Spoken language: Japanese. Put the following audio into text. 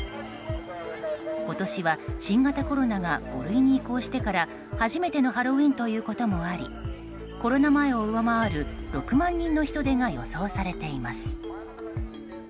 今年は新型コロナが５類に移行してから初めてのハロウィーンということもありコロナ前を上回る６万人の人出が予想されています。